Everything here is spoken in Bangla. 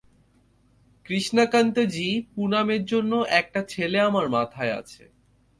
কৃষ্ণাকান্ত জি, পুণামের জন্য, একটা ছেলে আমার মাথায় আছে।